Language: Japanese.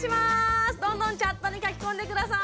どんどんチャットに書き込んで下さい。